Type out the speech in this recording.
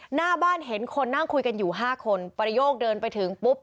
หน้าบ้านเห็นคนนั่งคุยกันอยู่ห้าคนประโยคเดินไปถึงปุ๊บ